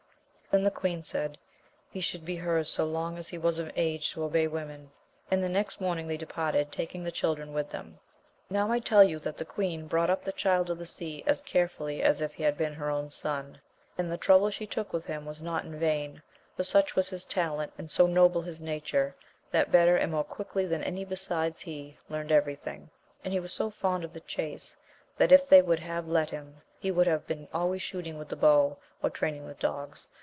Then the queen said, he should be her's so long as he was of an age to obey women ; and the next morning they departed, taking the children with them. Now I tell you that the queen brought up the Child of the Sea as carefully as if he had been her own son ; and the trouble she took with him was not in vain, for such was his talent and so noble his nature, that better and more quickly than any besides he learnt every thing. And he was so fond of the chace, that if they would have let him, he would have been always shooting with the bow, or training the dogs.